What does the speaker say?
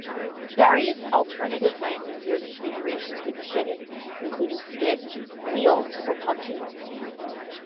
Various alternative landing gear configurations could be fitted, including skids, wheels, or pontoons.